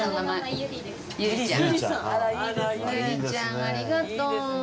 ユリちゃんありがとう。